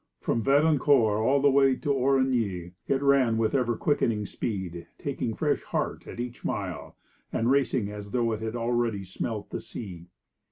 From Vadencourt all the way to Origny, it ran with ever quickening speed, taking fresh heart at each mile, and racing as though it already smelt the sea.